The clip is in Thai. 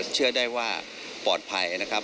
เชื่อได้ว่าปลอดภัยนะครับ